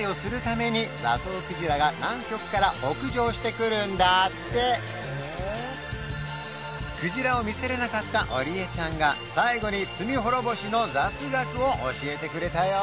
こんな近くてクック諸島ではクジラを見せれなかったオリエちゃんが最後に罪滅ぼしの雑学を教えてくれたよ